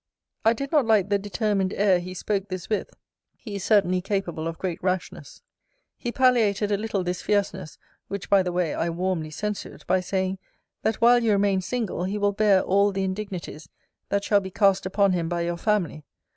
I did not like the determined air he spoke this with: he is certainly capable of great rashness. He palliated a little this fierceness (which by the way I warmly censured) by saying, That while you remain single, he will bear all the indignities that shall be cast upon him by your family.